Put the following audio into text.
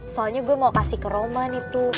soalnya gue mau kasih ke roman itu